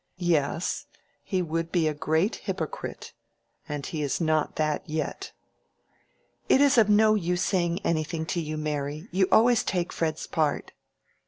"Yes, he would be a great hypocrite; and he is not that yet." "It is of no use saying anything to you, Mary. You always take Fred's part."